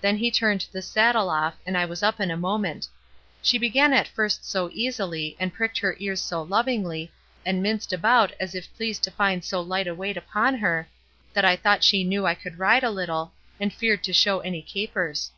Then he turned the saddle off, and I was up in a moment. She began at first so easily, and pricked her ears so lovingly, and minced about as if pleased to find so light a weight upon her, that I thought she knew I could ride a little, and feared to show any capers.